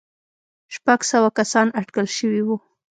شپږ سوه کسان اټکل شوي وو.